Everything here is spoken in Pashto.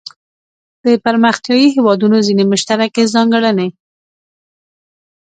د پرمختیايي هیوادونو ځینې مشترکې ځانګړنې.